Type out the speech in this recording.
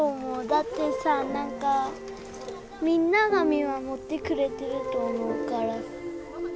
だってさなんかみんなが見守ってくれてると思うから。